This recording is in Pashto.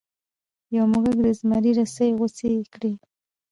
یو موږک د زمري رسۍ غوڅې کړې.